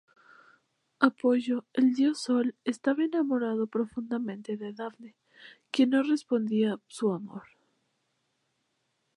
Apollo, el dios sol, estaba enamorado profundamente de Dafne, quien no correspondía su amor.